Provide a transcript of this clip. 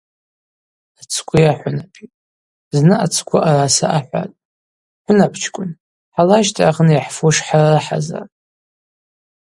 Ацгви ахӏвынапи Зны ацгвы араса ахӏватӏ: – Хӏвынапчкӏвын, хӏалажьта агъны йхӏфуш хӏыррыхӏазыр.